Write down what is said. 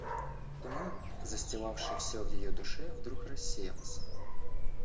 Туман, застилавший всё в ее душе, вдруг рассеялся.